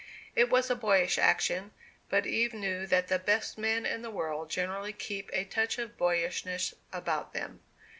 It was a boyish action; but Eve knew that the best men in the world generally keep a touch of boyishness about them.